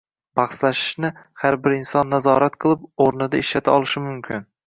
Bahslashishni har bir inson nazorat qilib, o‘rnida ishlata olishi mumkin.